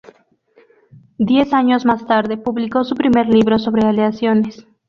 Diez años más tarde publicó su primer libro sobre aleaciones.